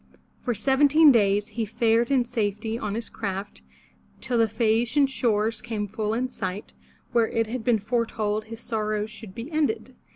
For seventeen days he fared in safety on his craft, till the Phae a'ci an shores came full in sight, where it had been foretold his sorrows should be ended.